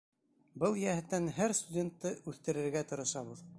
Был йәһәттән һәр студентты үҫтерергә тырышабыҙ.